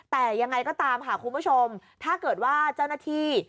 แต่ยังไงก็ตามค่ะคุณผู้ชมถ้าเกิดว่าเจ้าหน้าที่